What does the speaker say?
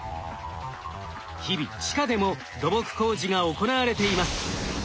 日々地下でも土木工事が行われています。